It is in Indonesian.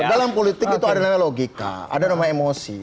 dalam politik itu ada yang namanya logika ada yang namanya emosi